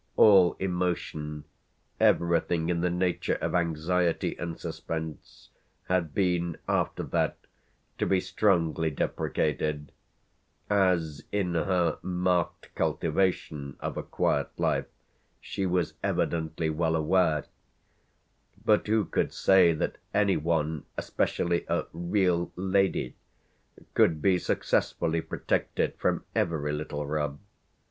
All emotion, everything in the nature of anxiety and suspense had been after that to be strongly deprecated, as in her marked cultivation of a quiet life she was evidently well aware; but who could say that any one, especially a "real lady," could be successfully protected from every little rub?